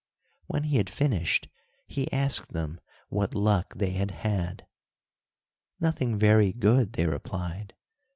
When he had finished, he asked them what luck they had had. Nothing very good, they replied.